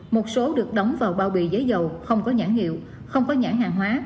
một số được đóng vào bao bì giấy dầu không có nhãn hiệu không có nhãn hàng hóa